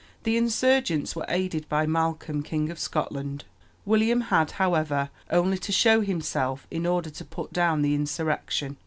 The insurgents were aided by Malcolm, King of Scotland. William had, however, only to show himself in order to put down the insurrection.